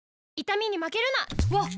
わっ！